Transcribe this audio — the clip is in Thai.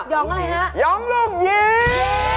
หย่องอะไรครับหย่องลูกหยี๊มยี๊มยี๊ม